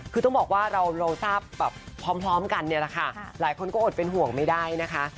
คือต้องบอกว่าเราทราบแบบพร้อมกันเนี่ยแหละค่ะหลายคนก็อดเป็นห่วงไม่ได้นะคะ